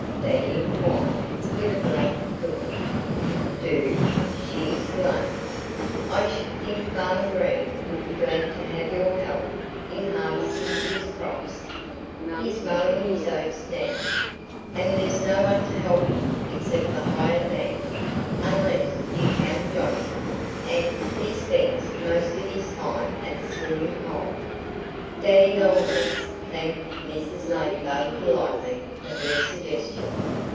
Daddy inquired with a blank look. "Do!" she exclaimed. "I should think Farmer Green would be glad to have your help in harvesting his crops. He's mowing his oats now. And there's no one to help him except the hired man unless you count Johnnie, and he spends most of his time at the swimming hole." Daddy Longlegs thanked Mrs. Ladybug politely for her suggestion.